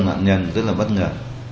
nạn nhân rất là bất ngờ